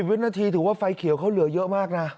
วินาทีถือว่าไฟเขียวเขาเหลือเยอะมากนะ